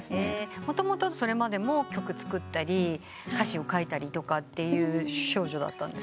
もともとそれまでも曲作ったり歌詞を書いたりとかっていう少女だったんですか？